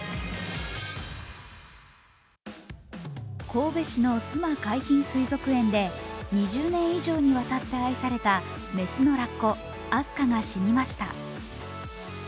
神戸市の須磨海浜水族園で２０年以上にわたって愛された雌のラッコ、明日花が死にました。